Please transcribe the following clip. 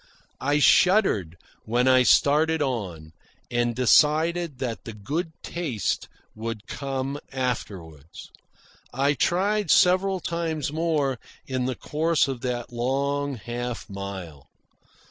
I shuddered when I started on, and decided that the good taste would come afterward. I tried several times more in the course of that long half mile.